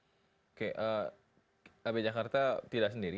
oke kb jakarta tidak sendiri